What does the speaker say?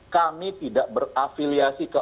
kami tidak berafiliasi ke